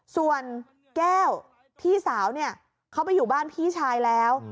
ส่วนแก้วพี่สาวเนี่ยเขาไปอยู่บ้านพี่ชายแล้ว